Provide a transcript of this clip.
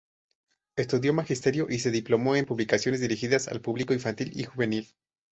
Estudio Magisterio y se diplomó en publicaciones dirigidas al público infantil y juvenil.